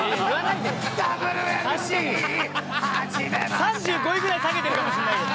３５位ぐらい下げてるかもしれないけど。